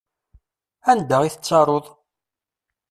Anda i tettaruḍ?